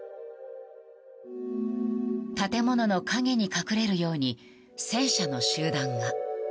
建物の陰に隠れるように戦車の集団が。